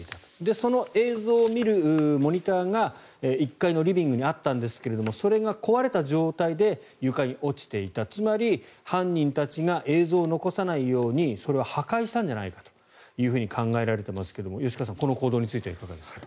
その映像を見るモニターが１階のリビングにあったんですがそれが壊れた状態で床に落ちていたつまり犯人たちが映像を残さないようにそれを破壊したんじゃないかと考えられていますが吉川さん、この行動についていかがですか？